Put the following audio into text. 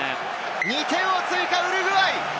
２点を追加、ウルグアイ！